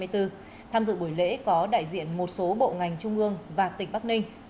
tham dự buổi lễ có đại diện một số bộ ngành trung ương và tỉnh bắc ninh